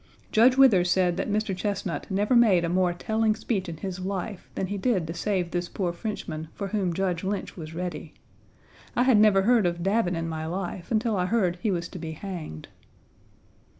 Judge Withers said that Mr. Chesnut never made a more telling speech in his life than he did to save this poor Frenchman for whom Judge Lynch was ready. I had never heard of Davin in my life until I heard he was to be hanged.